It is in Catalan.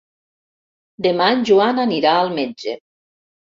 Demà en Joan anirà al metge.